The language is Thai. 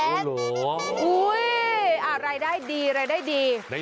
โอ้โหอุ้ยอะไรได้ดี